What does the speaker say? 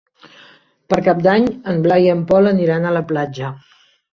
Per Cap d'Any en Blai i en Pol aniran a la platja.